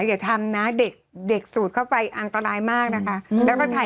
อย่าทำนะเด็กสูดเข้าไปอันตรายมากนะคะ